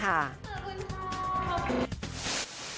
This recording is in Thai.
สำหรับคุณค่ะ